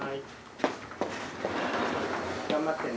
頑張ってね。